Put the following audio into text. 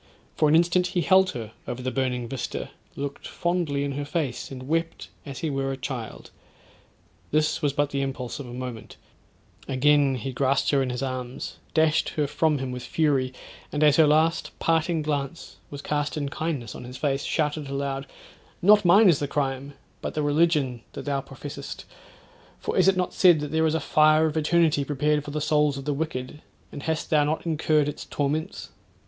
For an instant he held her over the burning vista, looked fondly in her face and wept as he were a child. This was but the impulse of a moment; again he grasped her in his arms, dashed her from him with fury; and as her last parting glance was cast in kindness on his face, shouted aloud, 'not mine is the crime, but the religion that thou professest; for is it not said that there is a fire of eternity prepared for the souls of the wicked; and hast not thou incurred its torments?'